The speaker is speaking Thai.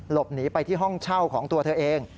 หลบหนีไปที่ห้องเช่าของตัวเธอเอง